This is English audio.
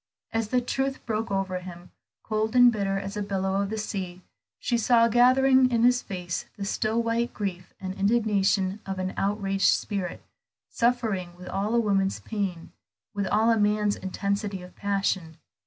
As the truth broke over him, cold and bitter as a billow of the sea, she saw gathering in his face the still white grief and indignation of an outraged spirit, suffering with all a woman's pain, with all a man's intensity of passion.